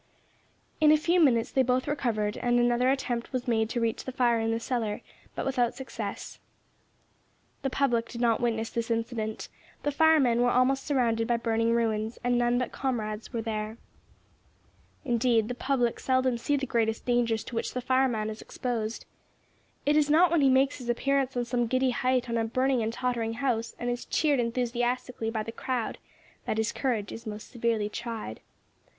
In a few minutes they both recovered, and another attempt was made to reach the fire in the cellar, but without success. The public did not witness this incident. The firemen were almost surrounded by burning ruins, and none but comrades were there. Indeed, the public seldom see the greatest dangers to which the fireman is exposed. It is not when he makes his appearance on some giddy height on a burning and tottering house, and is cheered enthusiastically by the crowd, that his courage is most severely tried.